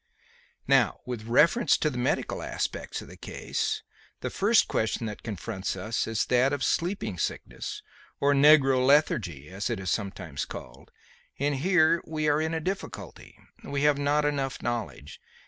Now, with reference to the medical aspects of the case. The first question that confronts us is that of sleeping sickness, or negro lethargy as it is sometimes called; and here we are in a difficulty. We have not enough knowledge.